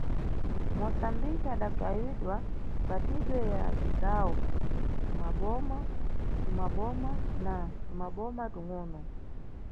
Mosambiki adagawidwa mʼmgwatidwe ya mʼdzigawo, mʼmaboma mtumaboma na mtumaboma tung, ono.